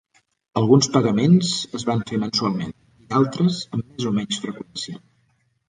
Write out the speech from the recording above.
Alguns pagaments es van fer mensualment i d'altres amb més o menys freqüència.